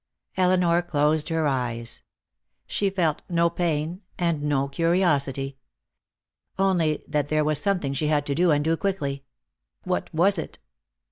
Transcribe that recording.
Elinor closed her eyes. She felt no pain and no curiosity. Only there was something she had to do, and do quickly. What was it?